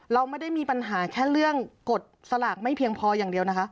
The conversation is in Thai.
เราไม่ได้มีปัญหาแค่เรื่องกฎสลากไม่เพียงพออย่างเดียวนะคะ